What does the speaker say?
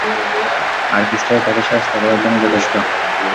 আর কিসরাই তাকে শায়েস্তা করার জন্য যথেষ্ট।